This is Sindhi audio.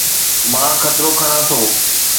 مان خطرو کڻان ٿو